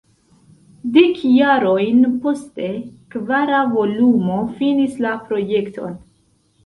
Dek jarojn poste kvara volumo finis la projekton.